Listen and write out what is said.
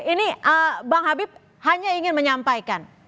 ini bang habib hanya ingin menyampaikan